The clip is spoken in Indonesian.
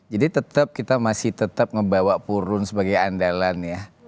jadi tetep kita masih tetep ngebawa purun sebagai andalan ya